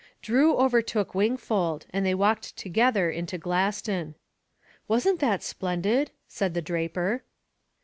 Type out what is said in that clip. Drew overtook Wingfold, and they walked together into Glaston. "Wasn't that splendid?" said the draper.